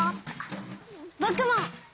ぼくも！